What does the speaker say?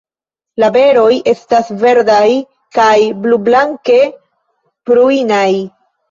La beroj estas verdaj kaj blublanke prujnaj.